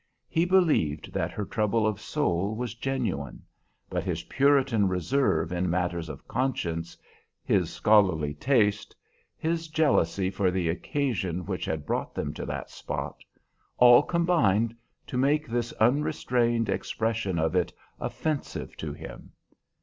He believed that her trouble of soul was genuine, but his Puritan reserve in matters of conscience, his scholarly taste, his jealousy for the occasion which had brought them to that spot, all combined to make this unrestrained expression of it offensive to him.